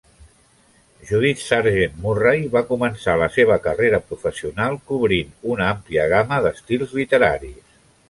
Judith Sargent Murray va començar la seva carrera professional cobrint una àmplia gamma d'estils literaris.